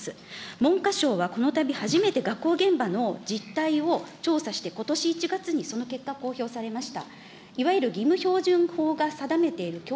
文科省はこのたび初めて、学校現場の実態を調査して、ことし１月にその結果を公表されました。